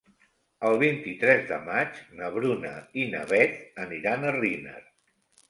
El vint-i-tres de maig na Bruna i na Beth aniran a Riner.